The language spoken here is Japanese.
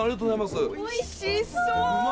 おいしそう！